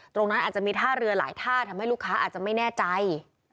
ตรงนั้นอาจจะมีท่าเรือหลายท่าทำให้ลูกค้าอาจจะไม่แน่ใจ